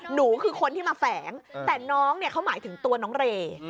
หนูคือคนที่มาแฝงแต่น้องเนี่ยเขาหมายถึงตัวน้องเร